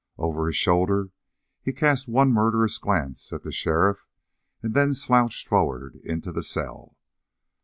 Over his shoulder he cast one murderous glance at the sheriff and then slouched forward into the cell.